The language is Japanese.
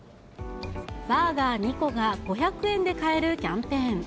バーガー２個が５００円で買えるキャンペーン。